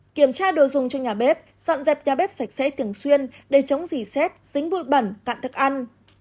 kiểm tra đồ dùng cho nhà bếp dọn dẹp nhà bếp sạch sẽ thường xuyên để chống dỉ xét dính bụi bẩn cạn thức ăn